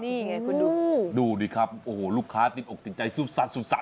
นี่ไงคุณดูดูดิครับโอ้โหลูกค้าติดอกติดใจสู้สัดซูบสัด